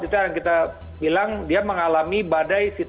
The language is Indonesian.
itu yang kita bilang dia mengalami badai